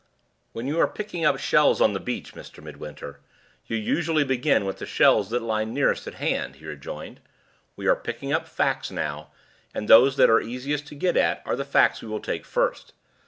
"When you are picking up shells on the beach, Mr. Midwinter, you usually begin with the shells that lie nearest at hand," he rejoined. "We are picking up facts now; and those that are easiest to get at are the facts we will take first.